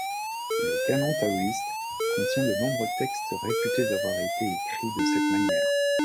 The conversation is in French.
Le canon taoïste contient de nombreux textes réputés avoir été écrits de cette manière.